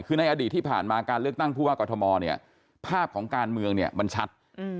คือในอดีตที่ผ่านมาการเลือกตั้งผู้ว่ากอทมเนี่ยภาพของการเมืองเนี่ยมันชัด